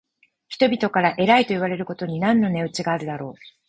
人々から偉いといわれることに何の値打ちがあろう。